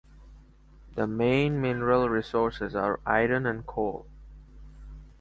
The main mineral resources are iron and coal.